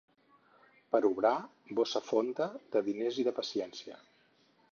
Per a obrar, bossa fonda, de diners i de paciència.